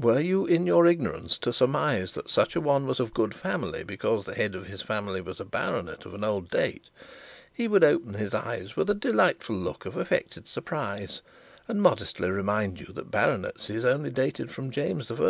Were you in your ignorance to surmise that such a one was of a good family because the head of his family was a baronet of an old date, he would open his eyes with a delightful look of affected surprise, and modestly remind you that baronetcies only dated from James I.